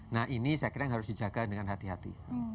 nah ini saya kira yang harus dijaga dengan hati hati